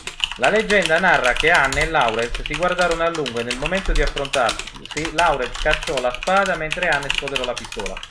La leggenda narra che Anne a Laurens si guardarono a lungo e nel momento di affrontarsi, Laurens cacciò la spada, mentre Anne sfoderò la pistola.